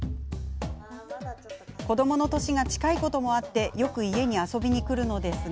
子どもの年が近いこともあってよく家に遊びに来るのですが